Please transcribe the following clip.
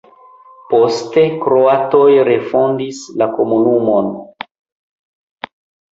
Poste kroatoj refondis la komunumon.